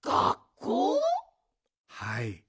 「はい。